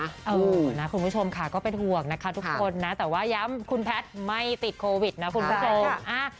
เออนะคุณผู้ชมค่ะก็เป็นห่วงนะคะทุกคนนะแต่ว่าย้ำคุณแพทย์ไม่ติดโควิดนะคุณผู้ชม